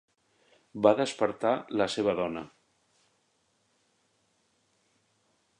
Va despertar la seva dona